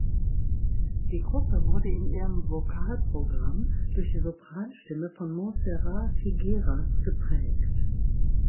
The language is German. Die Gruppe wurde in ihrem Vokal-Programm durch die Sopranstimme von Montserrat Figueras geprägt.